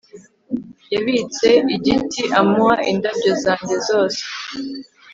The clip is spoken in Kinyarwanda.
Yabitse igiti amuha indabyo zanjye zose